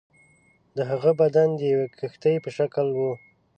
د هغه بدن د یوې کښتۍ په شکل وو.